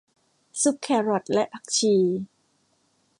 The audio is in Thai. ซุปแครอทและผักชี